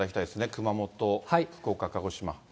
熊本、福岡、鹿児島。